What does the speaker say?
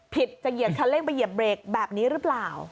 จะเหยียบคันเร่งไปเหยียบเบรกแบบนี้หรือเปล่า